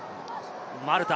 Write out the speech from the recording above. マルタ。